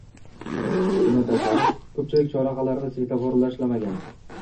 Bundan tashqari, ko'pchilik chorrahalarda svetoforlar ishlamagan